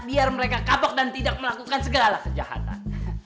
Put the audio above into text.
biar mereka kapok dan tidak melakukan segala kejahatan